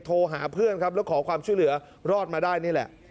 โทรหาเพื่อนครับแล้วขอความช่วยเหลือรอดมาได้นี่แหละ